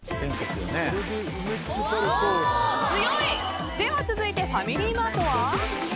では続いてファミリーマートは。